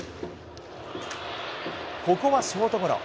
ここはショートゴロ。